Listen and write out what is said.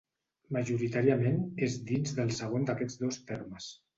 Majoritàriament és dins del segon d'aquests dos termes.